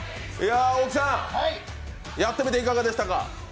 大木さん、やってみていかがでしたか？